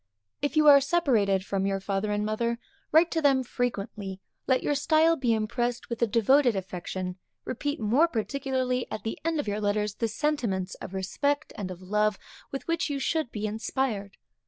If you are separated from your father and mother, write to them frequently; let your style be impressed with a devoted affection; repeat more particularly at the end of your letters the sentiments of respect and of love with which you should be inspired.